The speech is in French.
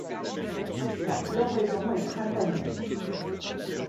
La floraison est printanière.